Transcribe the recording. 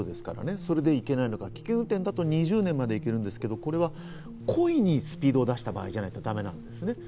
それでいけないのか、危険運転だと２０年まで行けるんですけど、これは故意にスピードを出した場合じゃないとだめなんです。